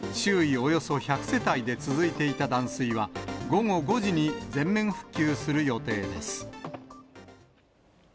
およそ１００世帯で続いていた断水は、午後５時に全面復旧する予定です。